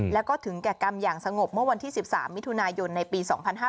แล้วก็ถึงแก่กรรมอย่างสงบเมื่อวันที่๑๓มิถุนายนในปี๒๕๕๙